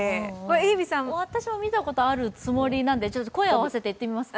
私も見たことがあるつもりなので声を合わせて言ってみますか？